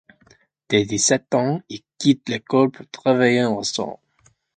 Dès dix-sept ans, il quitte l’école pour travailler en restaurant.